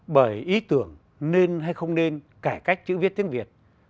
bởi ý tưởng nên hay không nên cải cách chữ viết tiếng việt